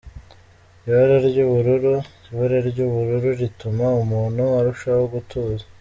Ibara ry’ ubururu : ibara ry’ubururu rituma umuntu arushaho gutuza.